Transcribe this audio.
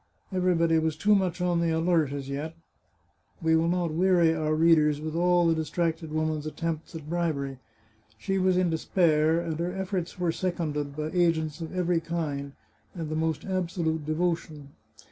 Everybody was too much on the alert as yet. We will not weary our readers with all the distracted woman's attempts at bribery. She was in despair, and her efforts were seconded by agents of every kind, and the most 321 The Chartreuse of Parma absolute devotion.